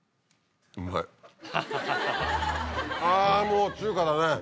あもう中華だね！